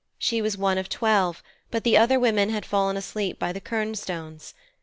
She was one of twelve, but the other women had fallen asleep by the quern stones.